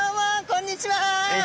こんにちは。